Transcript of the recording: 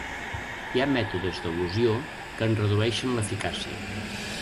Hi ha mètodes d'elusió que en redueixen l'eficàcia.